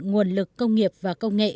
nguồn lực công nghiệp và công nghệ